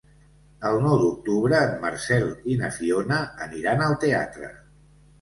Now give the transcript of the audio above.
El nou d'octubre en Marcel i na Fiona aniran al teatre.